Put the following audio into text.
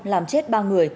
làm chết ba người